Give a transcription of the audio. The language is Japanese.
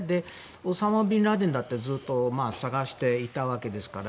オサマ・ビンラディンだってずっと探していたわけですから。